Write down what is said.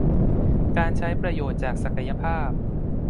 การใช้ประโยชน์จากศักยภาพ